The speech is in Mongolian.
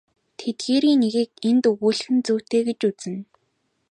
Тэдгээрийн нэгийг энд өгүүлэх нь зүйтэй гэж үзнэ.